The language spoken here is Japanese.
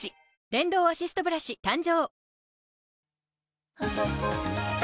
電動アシストブラシ誕生